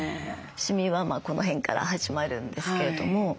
シミはこの辺から始まるんですけれども。